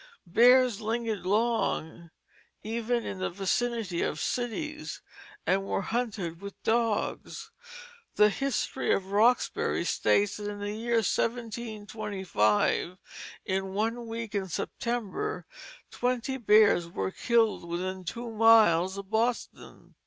Bears lingered long even in the vicinity of cities and were hunted with dogs. The History of Roxbury states that in the year 1725, in one week in September, twenty bears were killed within two miles of Boston.